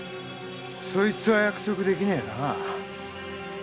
そいつは約束出来ねえな。